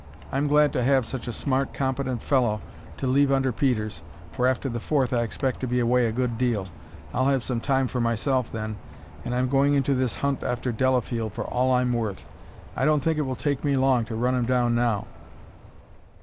I'm glad to have such a smart, competent fellow to leave under Peters, for after the Fourth I expect to be away a good deal. I'll have some time for myself then and I'm going into this hunt after Delafield for all I'm worth; I don't think it will take me long to run him down now."